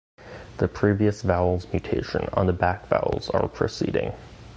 The previous vowels mutation on the back vowels are proceeding.